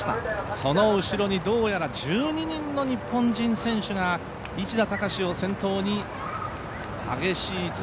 その後ろにどうやら１２人の日本人選手が市田孝を先頭に激しいつば